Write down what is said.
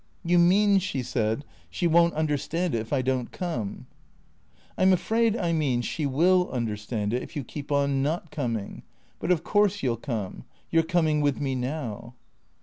" You mean," she said, " she won't understand it if I don't come ?"" I 'm afraid I mean she will understand it if you keep on not coming. But of course you '11 come. You 're coming with me now."